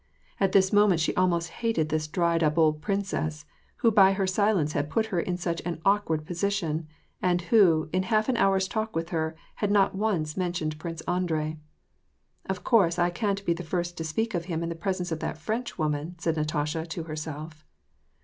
At this moment she almost hated this dried up old princess, who by her silence had put her in such an awkward position, and who, in half an hour's talk with her, had not once mentioned Prince Andrei. "Of course I can't be the first to speak of him in the presence of that Frenchwoman," said Natasha to herself.